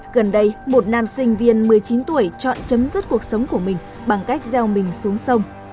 gần đây một nam sinh viên một mươi chín tuổi chọn chấm dứt cuộc sống của mình bằng cách gieo mình xuống sông